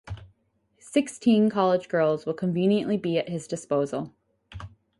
Sixteen college girls will conveniently be at his disposal.